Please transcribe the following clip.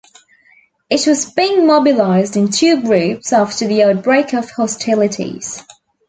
It was being mobilized in two groups after the outbreak of hostilities.